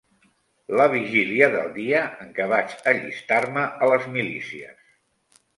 La vigília del dia en què vaig allistar-me a les milícies